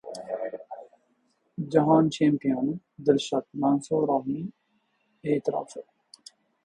Jahon chempioni Dilshod Mansurovning e’tirofi